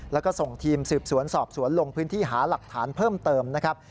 แล้วก็ส่งทีมสืบสวนสอบสวนลงพื้นที่หาหลักฐานเพิ่มเติมนะครับ